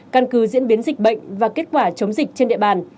căn cứ diễn biến dịch bệnh và kết quả chống dịch trên địa bàn